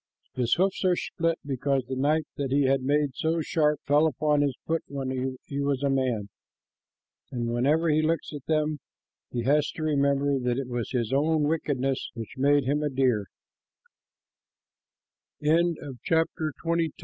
His hoofs are split because the knife that he had made so sharp fell upon his foot when he was a man; and whenever he looks at them, he has to remember that it was his own wickedness which